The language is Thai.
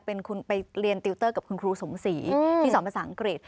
เป็นคุณไปเรียนติวเตอร์กับคุณครูสมศรีที่สอนภาษาอังกฤษ